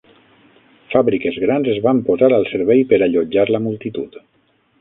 Fàbriques grans es van posar al servei per allotjar la multitud.